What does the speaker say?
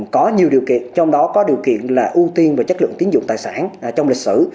có nhiều điều kiện trong đó có điều kiện là ưu tiên về chất lượng tiến dụng tài sản trong lịch sử